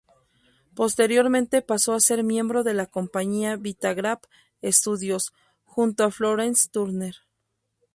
Posteriormente pasó a ser miembro de la compañía Vitagraph Studios, junto a Florence Turner.